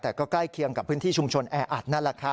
แต่ก็ใกล้เคียงกับพื้นที่ชุมชนแออัดนั่นแหละค่ะ